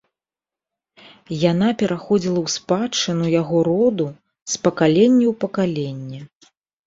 Яна пераходзіла ў спадчыну яго роду з пакалення ў пакаленне.